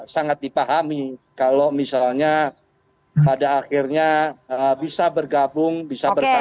sangat dipahami kalau misalnya pada akhirnya bisa bergabung bisa bersama sama